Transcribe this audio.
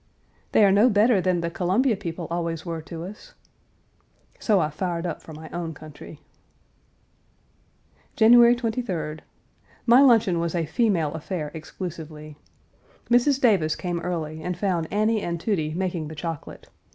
"They are no better than the Columbia people always were to us." So I fired up for my own country. January 23d. My luncheon was a female affair exclusively. Mrs. Davis came early and found Annie and Tudie Page 283 making the chocolate.